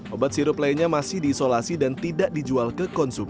obat sirup lainnya masih diisolasi dan tidak dijual ke konsumen